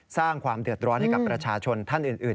สร้างความเดือดร้อนให้กับประชาชนท่านอื่น